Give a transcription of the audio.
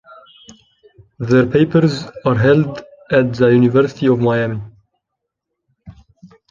Their papers are held at the University of Miami.